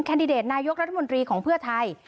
ดิเดตนายกรัฐมนตรีของเพื่อไทย